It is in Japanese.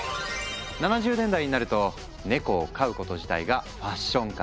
７０年代になるとネコを飼うこと自体がファッション化。